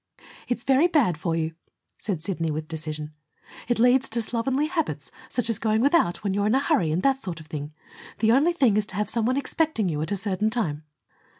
"It's very bad for you," said Sidney, with decision. "It leads to slovenly habits, such as going without when you're in a hurry, and that sort of thing. The only thing is to have some one expecting you at a certain time."